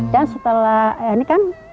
dan setelah ini kan